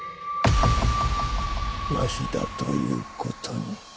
わしだということに。